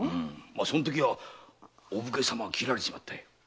そのときはお武家様が斬られちまった。